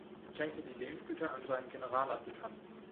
Er schenkte die Lehnsgüter an seinen Generaladjutanten